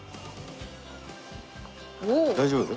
大丈夫？